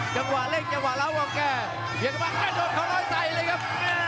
จังหวะเล่นจังหวะเล่าครับแกเดี๋ยวก็มาโอ้โหโดดเขาล้อยใสเลยครับ